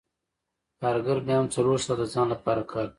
کارګر بیا هم څلور ساعته د ځان لپاره کار کوي